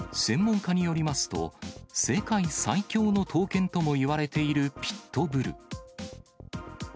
専門家によりますと、世界最強の闘犬ともいわれているピット・ブル。